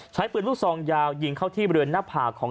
ใช้ปืนลูกซองยาวยิงเข้าที่บริเวณหน้าผากของ